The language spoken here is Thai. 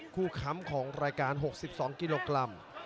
ค้ำของรายการ๖๒กิโลกรัม